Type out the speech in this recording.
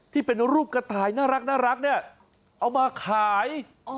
ที่เป็นรูปกระต่ายน่ารักน่ารักเนี้ยเอามาขายอ๋อ